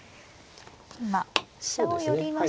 今飛車を寄りましたね。